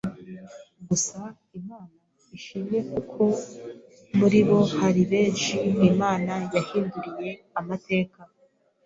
gusa Imana ishimwe kuko muri bo hari benshi Imana yahinduriye amateka,